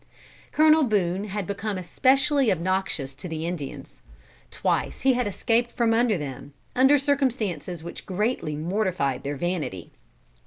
Colonel Boone had become especially obnoxious to the Indians. Twice he had escaped from them, under circumstances which greatly mortified their vanity.